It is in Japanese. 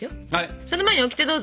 その前にオキテどうぞ！